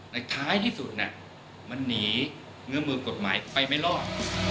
แต่ท้ายที่สุดมันหนีเงื้อมือกฎหมายไปไม่รอด